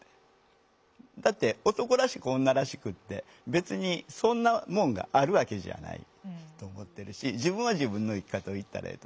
だって男らしく女らしくって別にそんなもんがあるわけじゃないと思ってるし自分は自分の生き方をいったらええと。